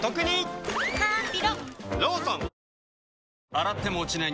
洗っても落ちない